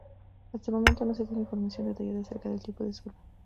Hasta el momento no se tiene información detallada acerca del tipo de suelo.